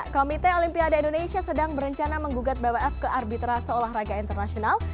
komite olimpiade indonesia sedang berencana menggugat bwf ke arbitra seolah raga internasional